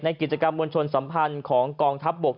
กิจกรรมมวลชนสัมพันธ์ของกองทัพบก